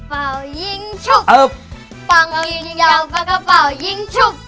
เป่ายิงยาวก็เป่ายิงชุบ